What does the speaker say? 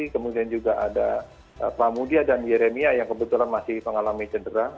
kemudian juga ada pramudia dan yeremia yang kebetulan masih mengalami cedera